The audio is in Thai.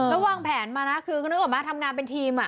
แล้ววางแผนมานะคือก็นึกออกมาทำงานเป็นทีม